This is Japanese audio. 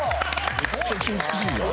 めちゃくちゃ美しいじゃん。